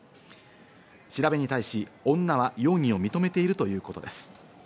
調べに対し女は容疑を認めているということです。